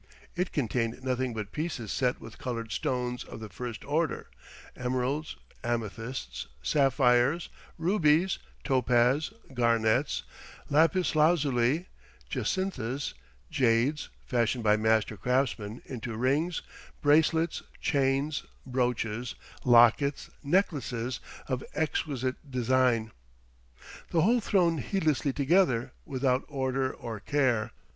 It contained nothing but pieces set with coloured stones of the first order emeralds, amethysts, sapphires, rubies, topaz, garnets, lapis lazuli, jacinthes, jades, fashioned by master craftsmen into rings, bracelets, chains, brooches, lockets, necklaces, of exquisite design: the whole thrown heedlessly together, without order or care.